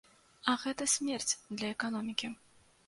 А гэта смерць для эканомікі.